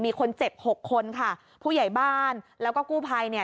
มีคนเจ็บหกคนค่ะผู้ใหญ่บ้านแล้วก็กู้ภัยเนี่ย